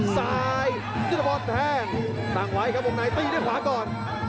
ซ้ายยุทธพรแทงตั้งไว้ครับวงในตีด้วยขวาก่อน